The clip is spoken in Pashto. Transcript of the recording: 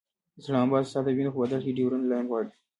اسلام اباد ستا د وینو په بدل کې ډیورنډ لاین غواړي.